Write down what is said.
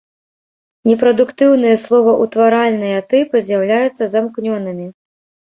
Непрадуктыўныя словаўтваральныя тыпы з'яўляюцца замкнёнымі.